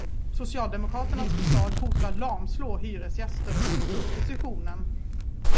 Socialdemokraternas förslag hotar lamslå hyresgäster enligt oppositionen.